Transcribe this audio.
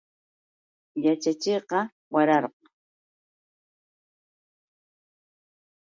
Yaćhachiqqa wararqa.